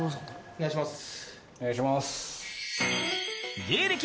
お願いします。